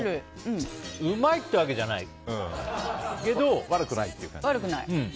うまいってわけじゃないけど悪くない。